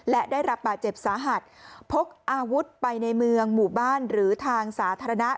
และได้รับบาดเจ็บสาหัสพกอาวุธไปในเมืองหมู่บ้านหรือทางสาธารณะ